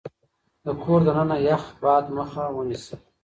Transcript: د کور دننه يخ باد مخه ونيسئ.